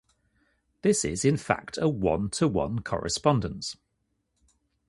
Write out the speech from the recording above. This is in fact a one-to-one correspondence.